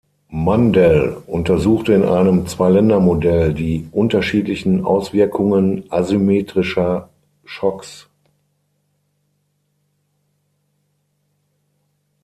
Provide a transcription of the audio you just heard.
Mundell untersuchte in einem Zwei-Länder-Modell die unterschiedlichen Auswirkungen asymmetrischer Schocks.